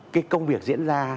cái công việc diễn ra